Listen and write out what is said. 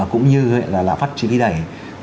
cũng như lạc phát trí lý đẩy